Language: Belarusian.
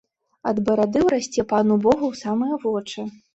Ад барады ўрасце пану богу ў самыя вочы.